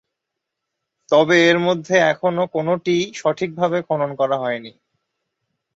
তবে এর মধ্যে এখনও কোনওটিই সঠিকভাবে খনন করা হয়নি।